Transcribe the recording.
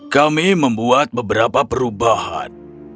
kami membuat beberapa perubahan